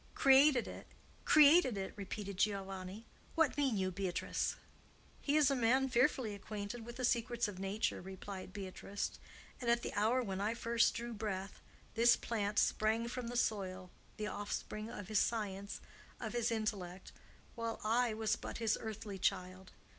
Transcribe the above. "Created it! created it!" repeated Giovanni. "What mean you, Beatrice?" "He is a man fearfully acquainted with the secrets of Nature," replied Beatrice; "and, at the hour when I first drew breath, this plant sprang from the soil, the offspring of his science, of his intellect, while I was but his earthly child.